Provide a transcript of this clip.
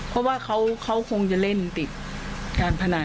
เพราะว่าเขาคงจะเล่นติดการพนัน